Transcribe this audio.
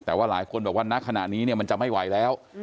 แต่ว่าหลายคนบอกว่าณขณะนี้เนี่ยมันจะไม่ไหวแล้ว